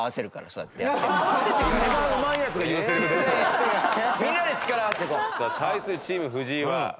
さあ対するチーム藤井は？